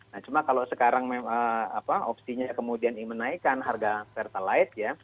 nah cuma kalau sekarang opsinya kemudian menaikkan harga pertalite ya